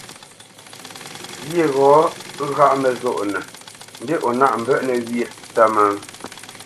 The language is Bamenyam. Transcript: Ghyê ghɔ́ ŋgáʼ məzónə́nə mbî o nâʼ mbə́ʼnə̄ wyê ntsə́mə́?